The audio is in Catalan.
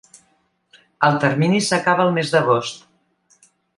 El termini s’acaba el mes d’agost.